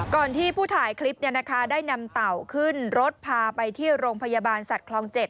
ที่ผู้ถ่ายคลิปได้นำเต่าขึ้นรถพาไปที่โรงพยาบาลสัตว์คลอง๗